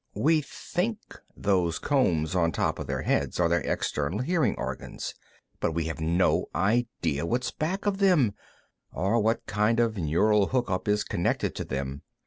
We think those combs on top of their heads are their external hearing organs, but we have no idea what's back of them, or what kind of a neural hookup is connected to them.